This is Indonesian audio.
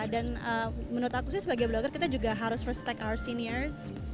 dan menurut aku sih sebagai blogger kita juga harus respect our seniors